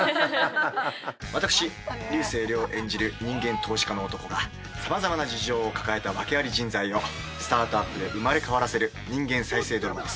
投資家の男が様々な事情を抱えた訳あり人材をスタートアップで生まれ変わらせる人間再生ドラマです。